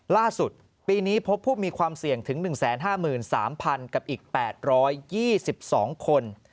ล่าสุดปีนี้พบผู้มีความเสี่ยงถึง๑๕๓๐๐๐กับอีก๘๒๒คน